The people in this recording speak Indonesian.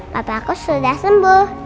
papaku sudah sembuh